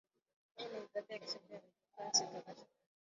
hii ni idhaa ya kiswahili ya redio france international